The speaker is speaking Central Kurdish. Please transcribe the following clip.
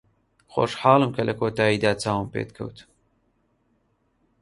خۆشحاڵم کە لە کۆتاییدا چاوم پێت کەوت.